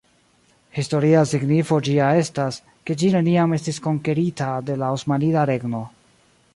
Historia signifo ĝia estas, ke ĝi neniam estis konkerita de la Osmanida Regno.